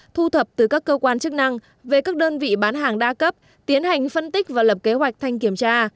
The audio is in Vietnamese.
thu thập từ các cơ quan chức năng về các đơn vị bán hàng đa cấp tiến hành phân tích và lập kế hoạch thanh kiểm tra